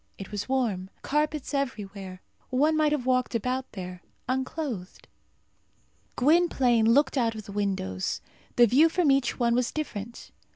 It was warm. Carpets everywhere. One might have walked about there, unclothed. Gwynplaine looked out of the windows. The view from each one was different.